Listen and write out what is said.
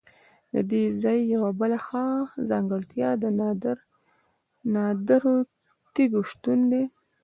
ددې ځای یوه بله ښه ځانګړتیا د نادرو تیږو شتون دی.